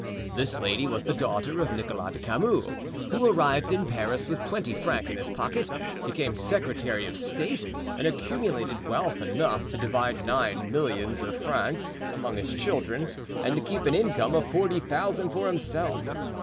This lady was the daughter of Nicholas de Camus, who arrived in Paris with twenty francs in his pocket, became secretary of state, and accumulated wealth enough to divide nine millions of francs among his children and to keep an income of forty thousand for himself.